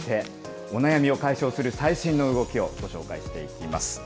お悩みを解消する最新の動きをご紹介していきます。